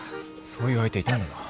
そういう相手いたんだな